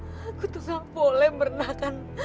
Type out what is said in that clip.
aku tuh salah boleh merendahkan